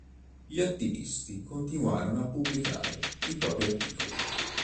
Gli attivisti continuarono a pubblicare i propri articoli.